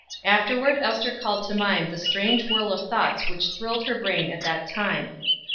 Afterward Ester called to mind the strange whirl of thoughts which thrilled her brain at that time.